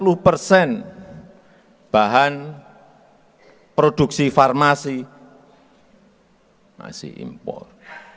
sepuluh persen bahan produksi farmasi masih impor